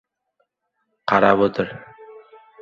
— Qarab o‘ter!